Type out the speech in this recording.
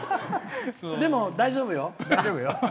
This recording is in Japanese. でも大丈夫よ。